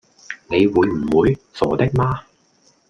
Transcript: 你會唔會？傻的嗎！